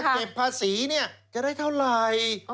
ถ้าเก็บภาษีนี่ก็ได้เท่าไร